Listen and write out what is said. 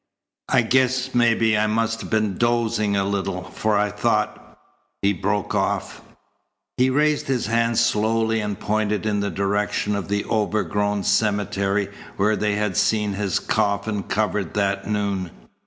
I guess maybe I must 'a' been dozing a little, for I thought " He broke off. He raised his hand slowly and pointed in the direction of the overgrown cemetery where they had seen his coffin covered that noon.